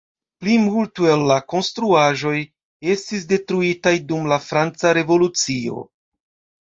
Plimulto el la konstruaĵoj estis detruitaj dum la franca revolucio.